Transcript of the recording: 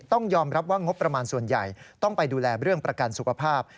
ต้องยอมรับว่างบประมาณส่วนใหญ่ต้องไปดูแลเรื่องประกันสุขภาพ